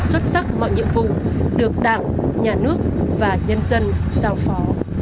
xuất sắc mọi nhiệm vụ được đảng nhà nước và nhân dân giao phó